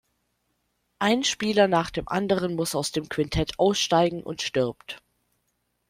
Ein Spieler nach dem anderen muss aus dem Quintett aussteigen und stirbt.